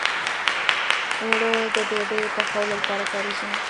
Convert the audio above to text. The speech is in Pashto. اوړه د ډوډۍ پخولو لپاره کارېږي